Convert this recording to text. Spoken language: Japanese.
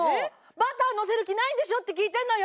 バター載せる気ないんでしょって聞いてんのよ！